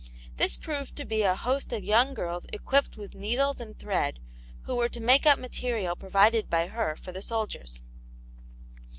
This proved to be a host of young girls equipped with needles and thread, who were to make up material provided by her for the soldiers.